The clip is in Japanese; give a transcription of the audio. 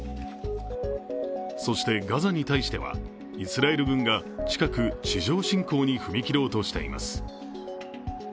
そしてガザに対してはイスラエル軍が近く、地上侵攻に踏み切ろうとしています。